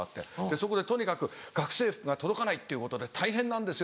そこで「とにかく学生服が届かないっていうことで大変なんですよ」。